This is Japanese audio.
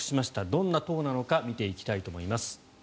どんな党なのか見ていきたいと思います。